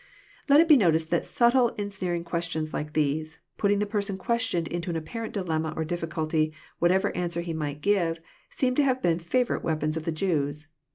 Let it be noticed that subtle ensnaring questions like these, putting the person questioned into an apparent dilemma or difiS culty, whatever answer he might give, seem to have been favourite weapons of the Jews.